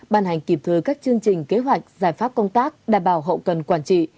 bàn hành kịp thừa các chương trình kế hoạch giải pháp công tác đảm bảo hậu cần quản trị